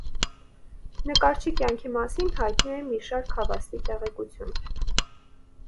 Նկարչի կյանքի մասին հայտնի է շատ քիչ հավաստի տեղեկություն։